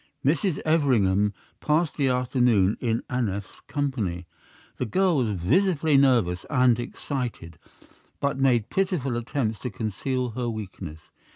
Mrs. Everingham passed the afternoon in Aneth's company. The girl was visibly nervous and excited, but made pitiful attempts to conceal her weakness.